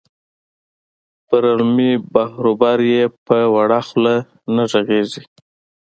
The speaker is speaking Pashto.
پر علمي بحروبر یې په وړه خوله نه غږېږې.